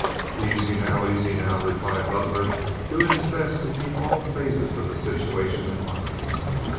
"Aisy, now! Aisy, now!" replied Butler, doing his best to keep all phases of the situation in mind.